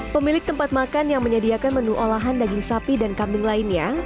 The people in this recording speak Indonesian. pemilik tempat makan yang menyediakan menu olahan daging sapi dan kambing lainnya